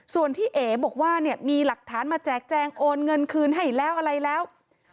ส่วนที่เอ๋บอกว่าเนี่ยมีหลักฐานมาแจกแจงโอนเงินคืนให้แล้วอะไรแล้ว